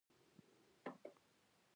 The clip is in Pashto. هغوی د پیسو تر څنګ د خوښیو څښتنان شول